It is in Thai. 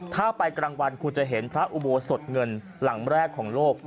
ถ้าไปกลางวันคุณจะเห็นพระอุโบสถเงินหลังแรกของโลก